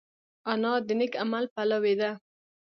انا د نېک عمل پلوي ده